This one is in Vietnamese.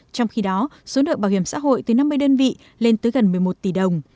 trong khi đó số nợ bảo hiểm xã hội từ năm mươi đơn vị lên tới gần một mươi một tỷ đồng